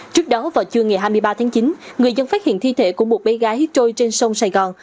trước đó vào trưa ngày hai mươi ba tháng chín người dân phát hiện thi thể của một bé gái trôi trên sông sài gòn